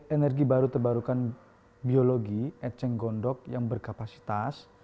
energi baru terbarukan biologi eceng gondok yang berkapasitas